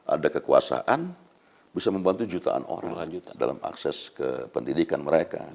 ada kekuasaan bisa membantu jutaan orang lanjut dalam akses ke pendidikan mereka